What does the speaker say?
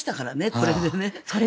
これでね。